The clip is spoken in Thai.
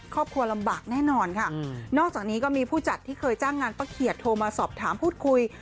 ครอบครัวลำบากแน่นอนค่ะนอกจากนี้ก็มีผู้จัดที่เคยจ้างงานป้าเขียดโทรมาสอบถามพูดคุย